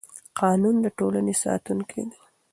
قانون د ټولنې ساتونکی دی